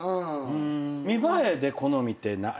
見栄えで好みってないの？